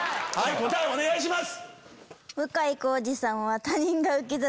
答えお願いします。